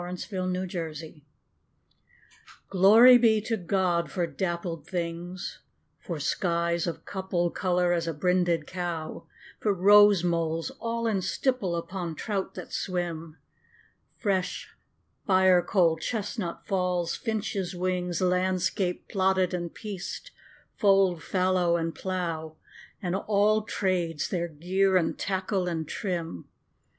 13 Pied Beauty GLORY be to God for dappled things For skies of couple colour as a brinded cow; For rose moles all in stipple upon trout that swim: Fresh firecoal chestnut falls; finches' wings; Landscape plotted and pieced fold, fallow, and plough; And àll tràdes, their gear and tackle and trim.